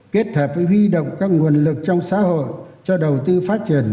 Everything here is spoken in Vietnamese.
kết hợp với huy động các nguồn lực trong xã hội cho đầu tư phát triển